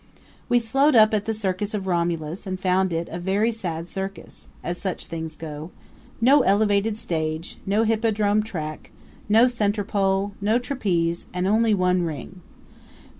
We slowed up at the Circus of Romulus and found it a very sad circus, as such things go no elevated stage, no hippodrome track, no centerpole, no trapeze, and only one ring.